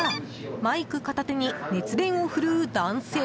マイク片手に熱弁を振るう男性。